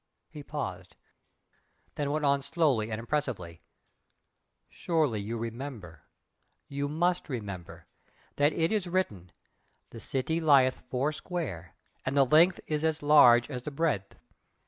He paused then went on slowly and impressively "Surely you remember, you MUST remember, that it is written 'The city lieth four square, and the length is as large as the breadth.